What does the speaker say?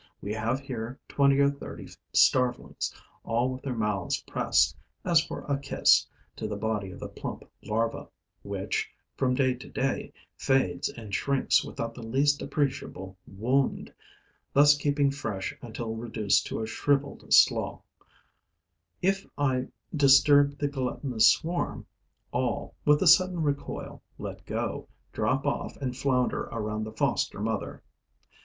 We have here twenty or thirty starvelings, all with their mouths pressed, as for a kiss, to the body of the plump larva, which, from day to day, fades and shrinks without the least appreciable wound, thus keeping fresh until reduced to a shriveled slough. If I disturb the gluttonous swarm, all, with a sudden recoil, let go, drop off and flounder around the foster mother.